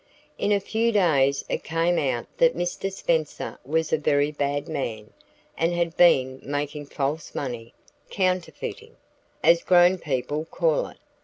In a few days it came out that Mr. Spenser was a very bad man, and had been making false money counterfeiting, as grown people call it.